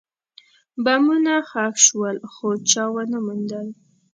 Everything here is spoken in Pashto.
بمونه ښخ شول، خو چا ونه موندل.